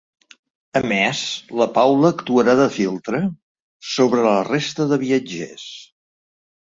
A més, la Paula actuarà de filtre sobre la resta de viatgers.